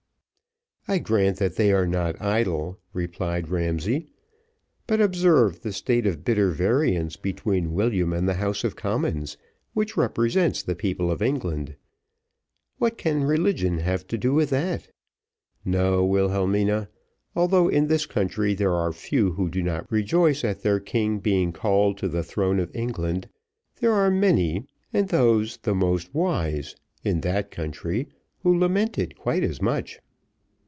"I grant that they are not idle," replied Ramsay; "but observe the state of bitter variance between William and the House of Commons, which represents the people of England. What can religion have to do with that? No, Wilhelmina; although, in this country there are few who do not rejoice at their king being called to the throne of England, there are many, and those the most wise, in that country, who lament it quite as much."